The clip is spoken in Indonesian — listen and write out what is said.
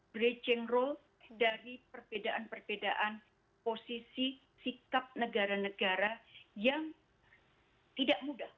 bridge roll dari perbedaan perbedaan posisi sikap negara negara yang tidak mudah